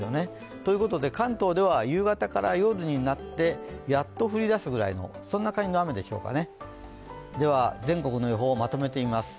ということで、関東では夕方から夜になってやっと降り出すぐらいの感じの雨でしょうかね。